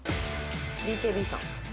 ＢＫＢさん。